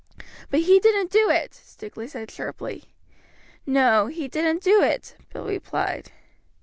"But he didn't do it," Stukeley said sharply. "No, he didn't do it," Bill replied.